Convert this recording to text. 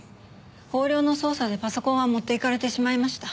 横領の捜査でパソコンは持っていかれてしまいました。